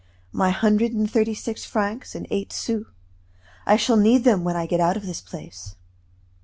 My hundred and thirty six francs and eight sous. I shall need them when I get out of this place.